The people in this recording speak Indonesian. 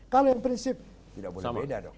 kalau yang prinsip tidak boleh beda dong